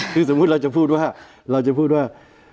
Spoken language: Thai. คือสมมุติเราจะพูดว่า